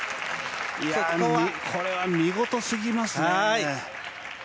これは見事すぎますね。